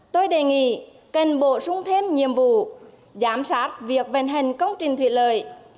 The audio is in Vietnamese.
tôi đề nghị cần bổ sung thêm nhiệm vụ giám sát việc vận hành công trình thủy lợi